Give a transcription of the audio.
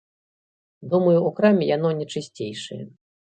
Думаю, у краме яно не чысцейшае.